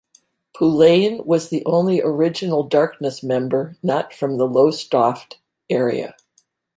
Poullain was the only original Darkness member not from the Lowestoft area.